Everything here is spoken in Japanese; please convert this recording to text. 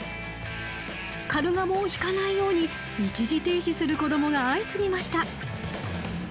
カルガモをひかないように一時停止する子供が相次ぎました。